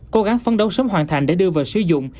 cố gắng phấn đấu sớm hoàn thành để đưa vào sử dụng